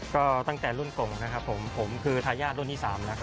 ก็ตั้งแต่รุ่นกงนะครับผมผมคือทายาทรุ่นที่๓แล้วครับ